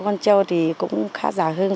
sáu con trâu thì cũng khá giả hương